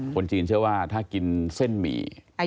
คนจีนเชื่อว่าถ้ากินเส้นหมี่